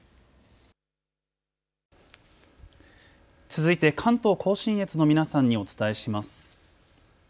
続いて関東甲信越の皆さんにお伝えします。